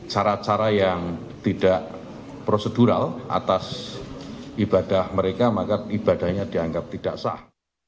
cara cara yang tidak prosedural atas ibadah mereka maka ibadahnya dianggap tidak sah